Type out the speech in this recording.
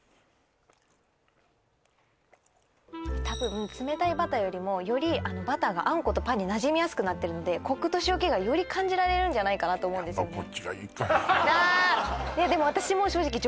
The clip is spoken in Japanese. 多分冷たいバターよりもよりバターがあんことパンになじみやすくなってるのでコクと塩気がより感じられるんじゃないかなと思うんですよね